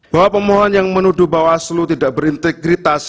bahwa pemohon yang menuduh bawaslu tidak berintegritas